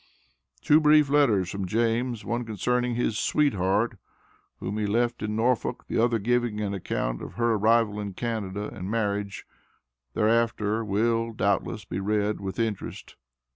Two brief letters from James, one concerning his "sweet heart," whom he left in Norfolk, the other giving an account of her arrival in Canada and marriage thereafter will, doubtless, be read with interest.